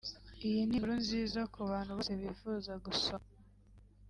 Iyi ni inkuru nziza ku bantu bose bifuza gusoma